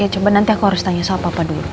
ya coba nanti aku harus tanya soal papa dulu